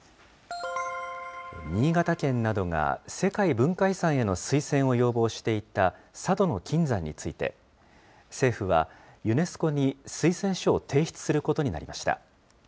新潟県などが世界文化遺産への推薦を要望していた佐渡島の金山について、政府はユネスコに推薦書を提出することになりました。